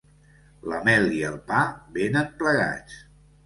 La mel i el pa venen plegats.